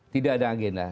tidak ada agenda